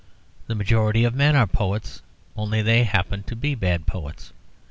The majority of men are poets, only they happen to be bad poets.